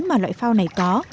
mà loại phao này có